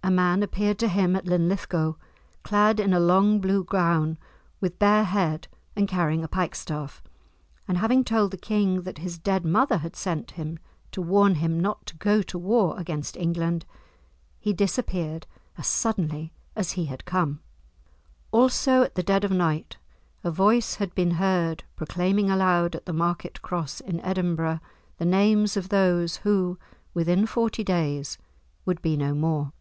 A man appeared to him at Linlithgow, clad in a long blue gown, with bare head, and carrying a pikestaff, and having told the king that his dead mother had sent him to warn him not to go to war against England, he disappeared as suddenly as he had come. Also at the dead of night a voice had been heard proclaiming aloud at the market Cross in Edinburgh the names of those who, within forty days, would be no more.